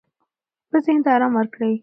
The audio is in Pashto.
خپل ذهن ته آرام ورکړئ.